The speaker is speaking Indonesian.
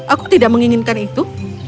aku tidak menginginkan itu